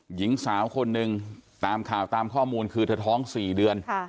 หญิงสาวคนหนึ่งตามข่าวตามข้อมูลคือเธอท้อง๔เดือน